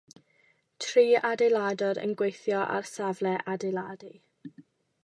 Tri adeiladwr yn gweithio ar safle adeiladu.